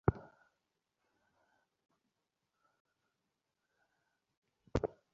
রাজবাটী অনুসন্ধান করিয়া তাঁহাকে খুঁজিয়া পাইল না।